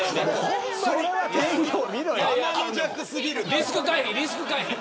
リスク回避、リスク回避。